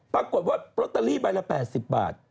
ปรากฏว่าลอตเตอรี่ใบละ๘๐บาท